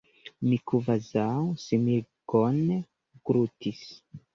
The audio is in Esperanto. Mi kvazaŭ smirgon glutis.